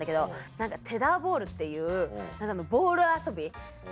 何かテダーボールっていうボール遊び。